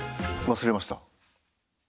忘れました。